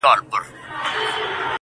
طبله باجه منگی سیتار رباب ه یاره